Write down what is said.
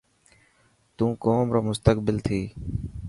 تون قوم رو مستقبل ٿيي.